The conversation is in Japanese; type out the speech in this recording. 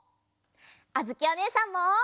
あづきおねえさんも！